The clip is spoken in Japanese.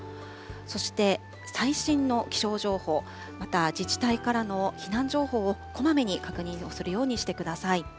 そして最新の気象情報、また自治体からの避難情報をこまめに確認をするようにしてください。